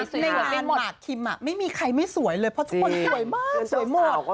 ในช่วงที่รอบอัลมาร์กคิมไม่มีใครไม่สวยเลยเพราะทุกคนสวยมาก